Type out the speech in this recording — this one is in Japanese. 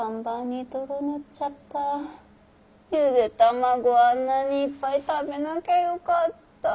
ゆで卵あんなにいっぱい食べなきゃよかった。